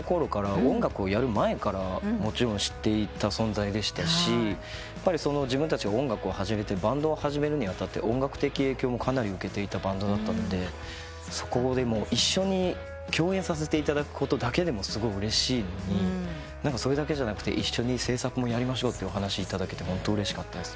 音楽をやる前からもちろん知っていた存在でしたし自分たちが音楽を始めてバンドを始めるに当たって音楽的影響もかなり受けていたバンドだったので一緒に共演させていただくことだけでもすごいうれしいのにそれだけじゃなくて一緒に制作もやりましょうってお話いただけてホントうれしかったです。